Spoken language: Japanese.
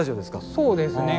そうですね。